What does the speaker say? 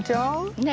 ねえ。